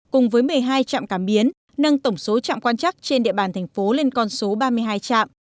cùng với một mươi hai trạm cảm biến nâng tổng số trạm quan chắc trên địa bàn thành phố lên con số ba mươi hai trạm